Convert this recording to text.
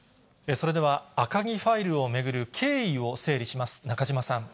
それでは、赤木ファイルを巡る経緯を整理します。